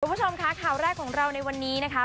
คุณผู้ชมค่ะข่าวแรกของเราในวันนี้นะคะ